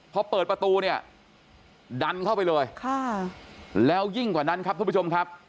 พอเปิดประตูเนี่ยดันเข้าไปเลยค่ะแล้วยิ่งกว่านั้นครับทุกผู้ชมครับ